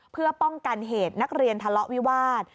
เพื่อป้องกันเหตุนักเรียนทะเลาะวิวาส